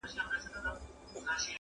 د غیرت ټیټو شملو ته لوپټه له کومه راوړو-